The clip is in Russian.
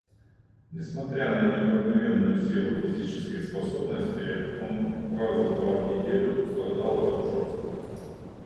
Несмотря на необыкновенную силу физических способностей, он раза два в неделю страдал от обжорства.